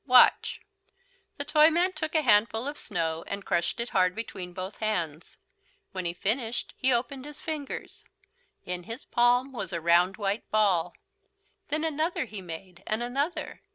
"Watch." The Toyman took a handful of snow and crushed it hard between both hands. When he had finished he opened his fingers. In his palm was a round white ball. Then another he made and another.